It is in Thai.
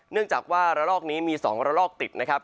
เนื่องจากว่าระลอกนี้มี๒ระลอกติดนะครับ